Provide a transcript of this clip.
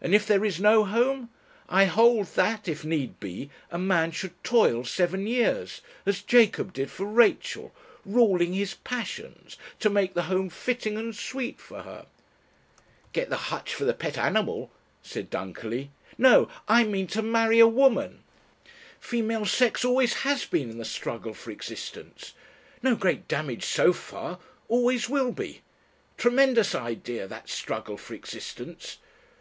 And if there is no home ! I hold that, if need be, a man should toil seven years as Jacob did for Rachel ruling his passions, to make the home fitting and sweet for her ..." "Get the hutch for the pet animal," said Dunkerley. "No. I mean to marry a woman. Female sex always has been in the struggle for existence no great damage so far always will be. Tremendous idea that struggle for existence.